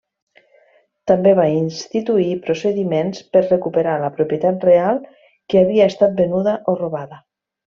També va instituir procediments per recuperar la propietat real que havia estat venuda o robada.